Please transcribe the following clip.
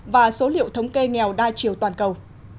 và số liệu thống kê nghèo đa chiều toàn cầu